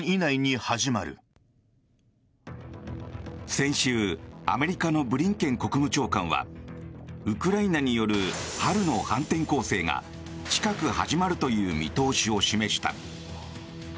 先週、アメリカのブリンケン国務長官はウクライナによる春の反転攻勢が近く、始まるという見通しを示した。